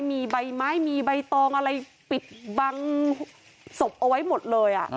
มีใบไม้มีใบตองอะไรปิดบังศพเอาไว้หมดเลย